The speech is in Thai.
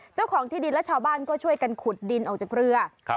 เจ้าของที่ดินและชาวบ้านก็ช่วยกันขุดดินออกจากเรือ